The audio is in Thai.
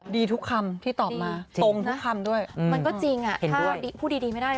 ดีทุกคำที่ตอบมาตรงทั้งคำด้วยมันก็จริงอ่ะถ้าพูดดีไม่ได้